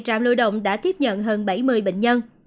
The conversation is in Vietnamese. trạm lưu động đã tiếp nhận hơn bảy mươi bệnh nhân